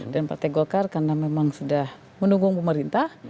partai golkar karena memang sudah mendukung pemerintah